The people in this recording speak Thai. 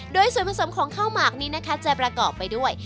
โดยส่วนผสมของข้าวหมากนี้นะคะจะประกอบไปด้วย